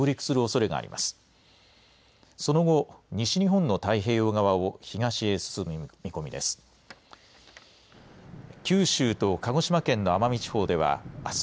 その後、西日本の太平洋側を東へ進む見込みです。